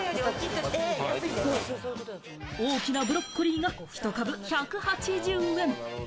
大きなブロッコリーがひと株１８０円！